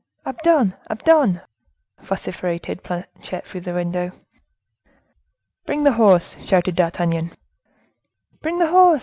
"Abdon! Abdon!" vociferated Planchet, from the window. "Bring the horse!" shouted D'Artagnan. "Bring the horse!"